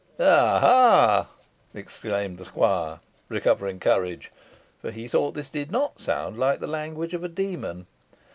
"Aha!" exclaimed the squire, recovering courage, for he thought this did not sound like the language of a demon.